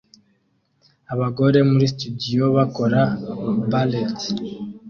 Abagore muri studio bakora ballet